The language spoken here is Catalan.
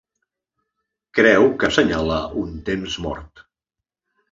Creu que assenyala un temps mort.